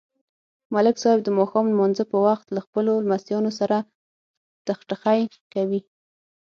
ملک صاحب د ماښام نمانځه په وخت له خپلو لمسیانو سره ټخټخی کوي.